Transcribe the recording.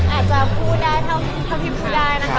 อาจจะพูดได้เข้าทิศพูดได้นะครับ